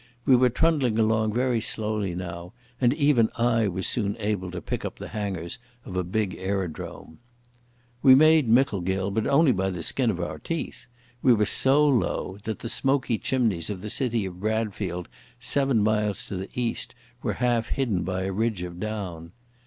We were trundling along very slowly now, and even I was soon able to pick up the hangars of a big aerodrome. We made Micklegill, but only by the skin of our teeth. We were so low that the smoky chimneys of the city of Bradfield seven miles to the east were half hidden by a ridge of down.